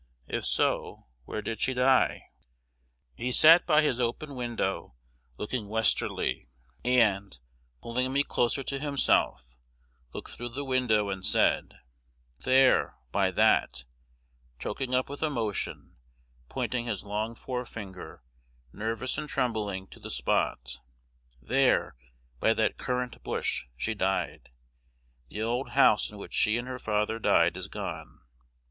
If so, where did she die?' "He sat by his open window, looking westerly; and, pulling me closer to himself, looked through the window and said, 'There, by that,' choking up with emotion, pointing his long forefinger, nervous and trembling, to the spot, 'there, by that currant bush, she died. The old house in which she and her father died is gone.'